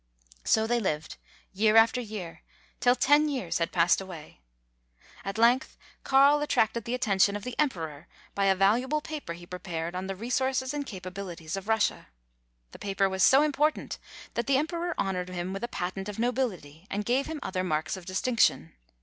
So they lived year after year till ten years had passed away. At length Carl attracted the atten tion of the emperor by a valuable paper he pre pared on the resources and capabilities of Russia. The paper was so important that the emperor honored him with a patent of nobility, and gave him other marks of distinction.